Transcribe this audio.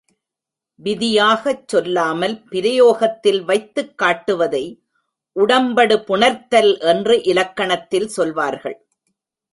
விதியாகச் சொல்லாமல் பிரயோகத்தில் வைத்துக் காட்டுவதை உடம்படுபுணர்த்தல் என்று இலக்கணத்தில் சொல்வார்கள்.